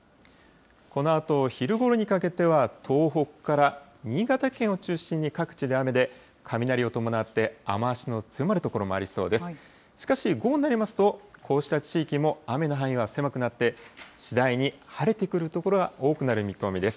このあと、昼ごろにかけては、東北から新潟県を中心に各地で雨で、雷を伴って、雨足の強まる所もありそうです。